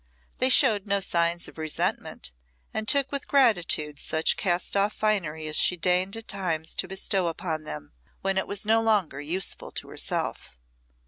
They showed no signs of resentment, and took with gratitude such cast off finery as she deigned at times to bestow upon them, when it was no longer useful to herself.